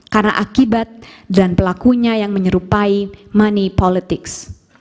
karena akibat dan pelakunya yang menyerupai money politics